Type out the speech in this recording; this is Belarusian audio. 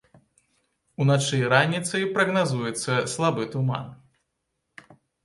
Уначы і раніцай прагназуецца слабы туман.